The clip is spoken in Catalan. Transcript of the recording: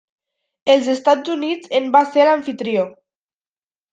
Els Estats Units en va ser l'amfitrió.